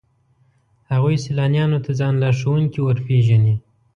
هغوی سیلانیانو ته ځان لارښوونکي ورپېژني.